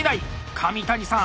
上谷さん